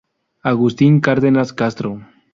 Agustín Cárdenas Castro.